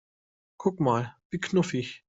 Guck mal, wie knuffig!